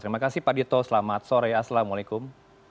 terima kasih pak dito selamat sore assalamualaikum